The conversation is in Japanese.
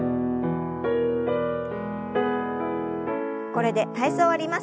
これで体操を終わります。